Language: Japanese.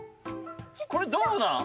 これどうなん？